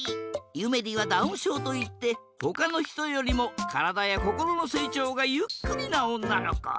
ゆめりはダウンしょうといってほかのひとよりもからだやこころのせいちょうがゆっくりなおんなのこ。